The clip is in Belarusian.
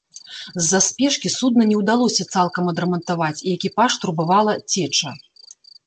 З-за спешкі судна не ўдалося цалкам адрамантаваць, і экіпаж турбавала цеча.